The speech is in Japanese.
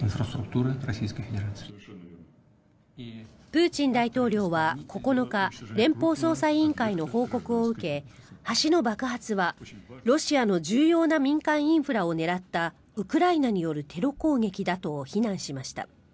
プーチン大統領は９日連邦捜査委員会の報告を受け橋の爆発は、ロシアの重要な民間インフラを狙ったウクライナによるテロ攻撃だと非難しました。